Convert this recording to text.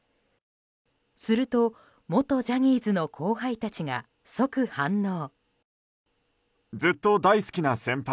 すると元ジャニーズの後輩たちが即反応。